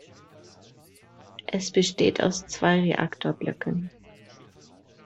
Es besteht aus zwei Reaktorblöcken.